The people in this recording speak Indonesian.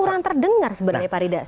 tapi kurang terdengar sebenarnya pak ridwan